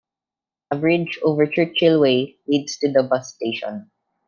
A bridge over Churchill Way leads to the bus station.